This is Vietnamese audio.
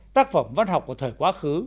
tác phẩm văn học của thời quá khứ